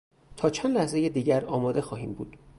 تا چند لحظهی دیگر آماده خواهیم بود.